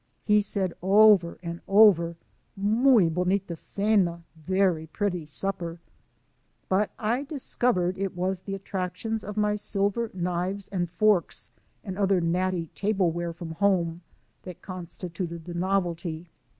He said over and over :" Muy bonita cena !"(•' Very pretty supper "). But I discovered it was the attractions of my silver knives and forks b^r^ and other natty table ware from home that constituted the novelty.